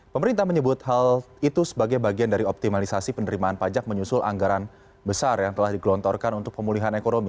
pemerintah menyebut hal itu sebagai bagian dari optimalisasi penerimaan pajak menyusul anggaran besar yang telah digelontorkan untuk pemulihan ekonomi